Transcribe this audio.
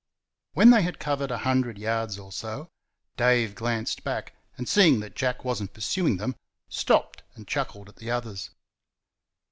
When they had covered a hundred yards or so, Dave glanced back, and seeing that Jack was n't pursuing them, stopped and chuckled at the others.